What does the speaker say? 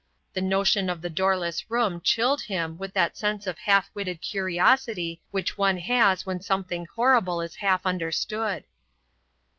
The notion of the doorless room chilled him with that sense of half witted curiosity which one has when something horrible is half understood.